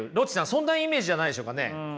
そんなイメージじゃないでしょうかね。